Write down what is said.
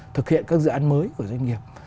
thực hiện các dự án mới của doanh nghiệp